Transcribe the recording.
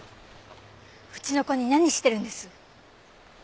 うちの子に何してるんです？